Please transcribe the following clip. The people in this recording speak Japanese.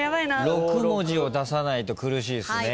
６文字出さないと苦しいですね。